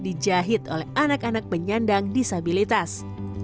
dijahit oleh anak anak penyandang disabilitas